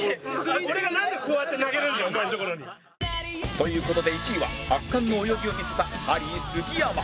という事で１位は圧巻の泳ぎを見せたハリー杉山